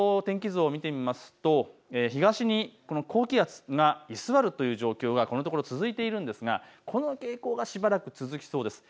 天気図を見てみますと東に高気圧が居座るという状況がこのところ続いているんですがこの傾向がしばらく続きそうです。